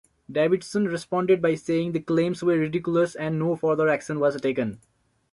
Davidson responded by saying the claims were 'ridiculous', and no further action was taken.